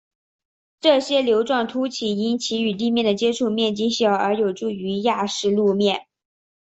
这些瘤状突起因其与地面的接触面积小而有助于压实路面。